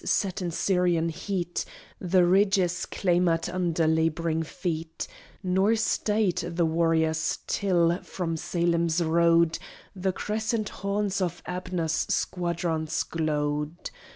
Set in Syrian heat, The ridges clamoured under labouring feet; Nor stayed the warriors till, from Salem's road, The crescent horns of Abner's squadrons glowed.